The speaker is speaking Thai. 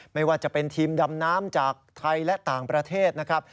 ไม่ว่าจะเป็นทีมดำน้ำจากไทยและต่างประเทศนะครับ